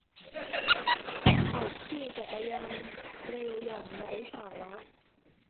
เขาขี่จักรยานเร็วอย่างไร้สาระ